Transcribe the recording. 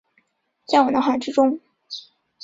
在我脑海之中